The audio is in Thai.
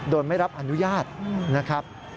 โดยไม่รับอนุญาตนะครับ